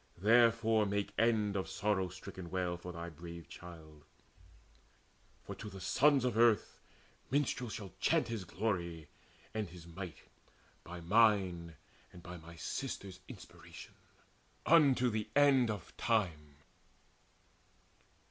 Therefore make end of sorrow stricken wail For thy brave child; for to the sons of earth Minstrels shall chant his glory and his might, By mine and by my sisters' inspiration, Unto the end of time.